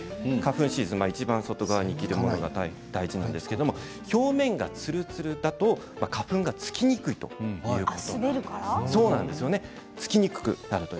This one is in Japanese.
いちばん外側に着るものが大事なんですが表面がつるつるだと花粉がつきにくいということです。